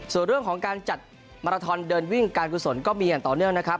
ส่วนเรื่องของการจัดมาราทอนเดินวิ่งการกุศลก็มีอย่างต่อเนื่องนะครับ